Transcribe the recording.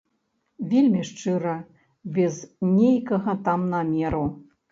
Вельмі шчыра, без нейкага там намеру.